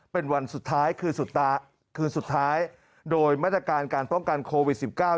เป็นวันสุดท้ายคือคืนสุดท้ายโดยมาตรการการป้องกันโควิด๑๙